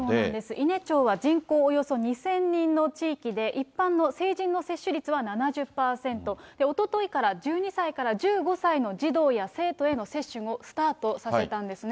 伊根町は人口およそ２０００人の地域で、一般の成人の接種率は７０％、おとといから、１２歳から１５歳の児童や生徒への接種をスタートさせたんですね。